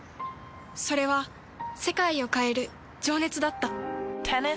それは世界を変える情熱だった。